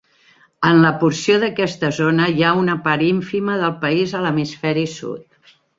En la porció d'aquesta zona hi ha una part ínfima del país a l'hemisferi sud.